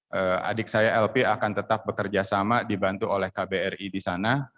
tapi adik saya lp akan tetap bekerjasama dibantu oleh kbri di sana